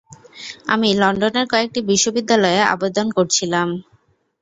আমি লন্ডনের কয়েকটি বিশ্ববিদ্যালয়ে, আবেদন করছিলাম।